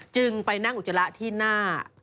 จึงไปนั่งอุจจาระที่หน้า